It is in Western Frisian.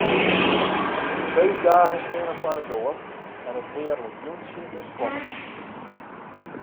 De feestdagen steane foar de doar en it hearlik jûntsje is kommen.